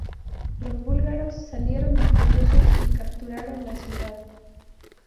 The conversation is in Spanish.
Los búlgaros salieron victoriosos y capturaron la ciudad.